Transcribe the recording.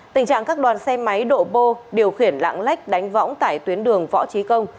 tình trạng các đoàn xe máy độ bô điều khiển lạng lách đánh võng tại tuyến đường võ trí công